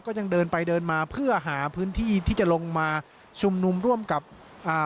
ยังเดินไปเดินมาเพื่อหาพื้นที่ที่จะลงมาชุมนุมร่วมกับอ่า